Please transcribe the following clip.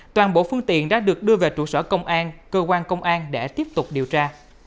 toàn bộ phương tiện đã được đưa về trụ sở công an cơ quan công an để tiếp tục điều tra